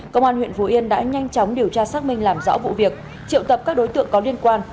công an huyện phủ yên đã nhanh chóng điều tra xác minh làm rõ vụ việc triệu tập các đối tượng có liên quan